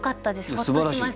ほっとしました。